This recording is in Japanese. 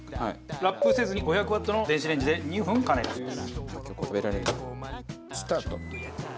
ラップをせずに５００ワットの電子レンジで２分加熱をします。